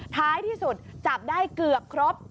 ท้ายที่สุดจับได้เกือบครบ